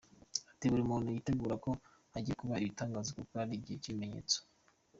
Ati” Buri muntu yitegure ko hagiye kuba ibitangaza kuko ni igihe cy’ibimenyetso.